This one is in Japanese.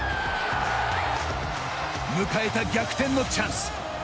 迎えた逆転のチャンス。